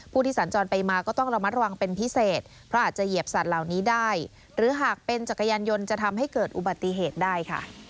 ผู้ที่สัญจรไปมาก็ต้องระมัดระวังเป็นพิเศษเพราะอาจจะเหยียบสัตว์เหล่านี้ได้หรือหากเป็นจักรยานยนต์จะทำให้เกิดอุบัติเหตุได้ค่ะ